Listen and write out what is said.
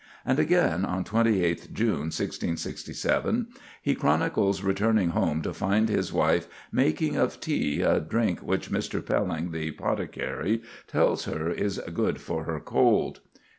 And again, on 28th June, 1667, he chronicles returning home to find his wife "making of tea, a drink which Mr. Pelling, the Potticary, tells her is good for her cold."